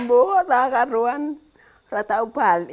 bapaknya bisa main cuma trayu